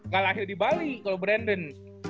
gak lahir di bali kalau brandon